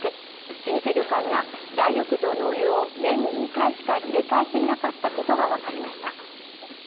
老舗旅館が大浴場のお湯を年に２回しか入れ替えていなかったことが分かりました。